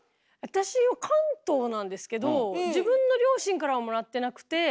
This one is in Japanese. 私は関東なんですけど自分の両親からはもらってなくて。